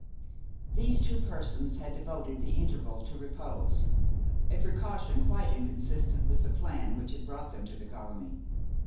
These two persons had devoted the interval to repose, a precaution quite inconsistent with the plan which had brought them to the colony.